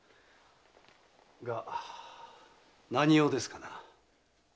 が何用ですかな？